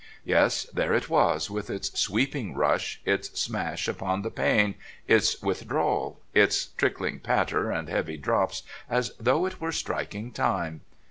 Yes, there it was with its sweeping rush, its smash upon the pane, its withdrawal, its trickling patter and heavy drops as though it were striking time.